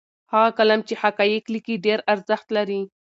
هغه قلم چې حقایق لیکي ډېر ارزښت لري.